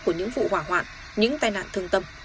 của những vụ hỏa hoạn những tai nạn thương tâm